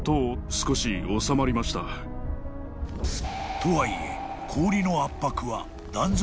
［とはいえ］